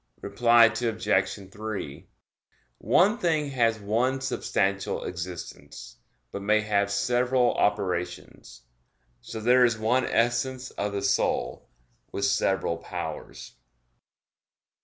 Reply Obj. 3: One thing has one substantial existence, but may have several operations. So there is one essence of the soul, with several powers.